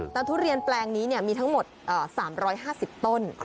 แต่ทุเรียนแปลงนี้มีทั้งหมด๓๕๐ต้น